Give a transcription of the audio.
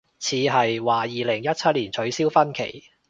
似係，話二零一七年取消婚期